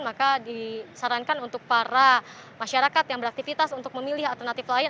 maka disarankan untuk para masyarakat yang beraktivitas untuk memilih alternatif lain